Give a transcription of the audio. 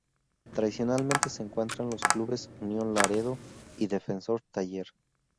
Tradicionalmente se encuentran los clubes Unión Laredo y Defensor Taller.